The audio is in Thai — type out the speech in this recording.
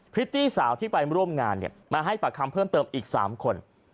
ิตตี้สาวที่ไปร่วมงานมาให้ปากคำเพิ่มเติมอีก๓คน